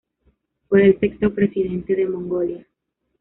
Fue el sexto presidente de Mongolia.